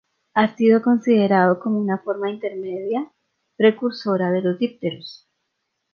Ha sido considerado como una forma intermedia, precursora de los dípteros.